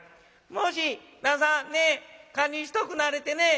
「もし。旦さんねえ堪忍しとくなはれってねえ。